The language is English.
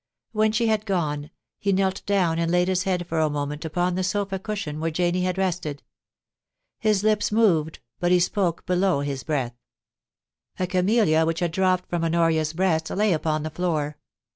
When she had gone, he knelt down and laid his head for a moment upon the sofa cushion where Janie had rested. His lips moved, but he spoke below his breath. A cameUia which had dropped from Honoria's breast lay upon the floor.